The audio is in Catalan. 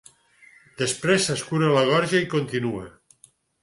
Després s'escura la gorja i continua.